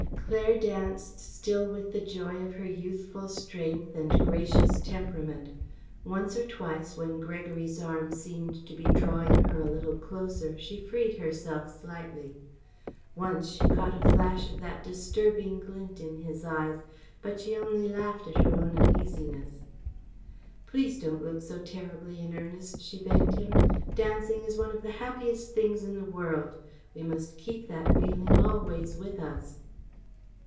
Claire danced still with the joy of her youthful strength and gracious temperament. Once or twice, when Gregory's arm seemed to be drawing her a little closer, she freed herself slightly. Once she caught a flash of that disturbing glint in his eyes, but she only laughed at her own uneasiness. "Please don't look so terribly in earnest," she begged him. "Dancing is one of the happiest things in the world. We must keep that feeling always with us."